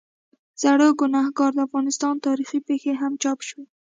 زړوګناهکار، د افغانستان تاریخي پېښې هم چاپ شوي.